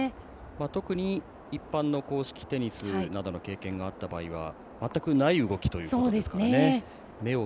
特に、一般の硬式テニスの経験があった場合全くない動きということですからね。